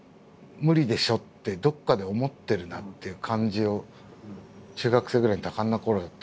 「無理でしょ」ってどっかで思ってるなっていう感じを中学生ぐらいの多感なころだと受けるので。